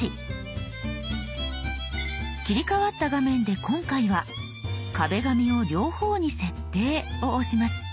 切り替わった画面で今回は「壁紙を両方に設定」を押します。